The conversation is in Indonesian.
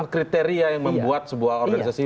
kriteria yang membuat sebuah organisasi